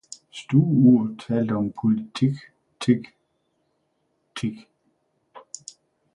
Stueuret talte om politik tik tik